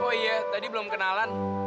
oh iya tadi belum kenalan